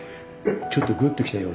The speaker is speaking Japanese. ちょっとグッときたよ